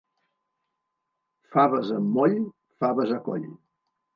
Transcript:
Faves amb moll, faves a coll.